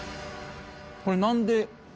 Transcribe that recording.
これ何で鹿？